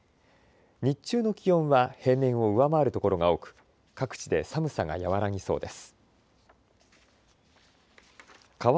日中の気温は平年を上回る所が多く各地で寒さが和らぎそうです。